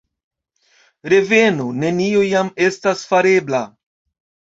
Revenu, nenio jam estas farebla!